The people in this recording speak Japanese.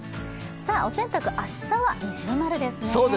お洗濯、明日は◎ですね。